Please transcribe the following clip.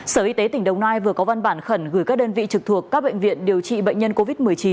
sở y tế tỉnh đồng nai vừa có văn bản khẩn gửi các đơn vị trực thuộc các bệnh viện điều trị bệnh nhân covid một mươi chín